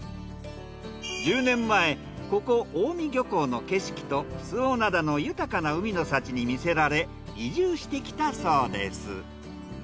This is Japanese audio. １０年前ここ大海漁港の景色と周防灘の豊かな海の幸にみせられ移住してきたそうです。